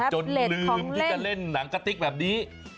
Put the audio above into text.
จนลืมจะเล่นหนังตั้งซักหนังแบบนี้